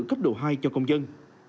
cấp độ hai cho công dân